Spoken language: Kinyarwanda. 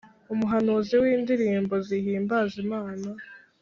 umuhanzi w’indirimbo zihimbaza imana